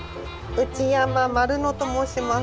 内山まるのと申します。